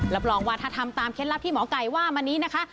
รับรองวัฒนธรรมตามเคล็ดลับที่หมอไก่ว่ามันนี้นะคะ